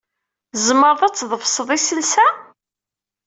Tzemreḍ ad tḍefseḍ iselsa?